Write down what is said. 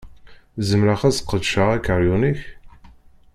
Zemreɣ ad ssqedceɣ akeryun-ik?